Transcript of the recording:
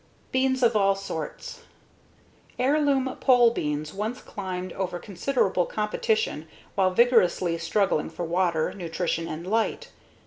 Beans of All Sorts Heirloom pole beans once climbed over considerable competition while vigorously struggling for water, nutrition, and light.